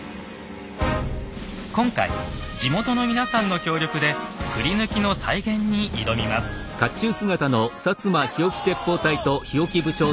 今回地元の皆さんの協力で繰ヌキの再現に挑みます。